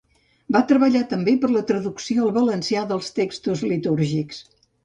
Va treballar també per la traducció al valencià dels textos litúrgics.